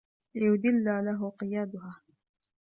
لِيَذِلَّ لَهُ قِيَادُهَا